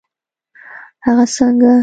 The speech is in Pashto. هغه څنګه؟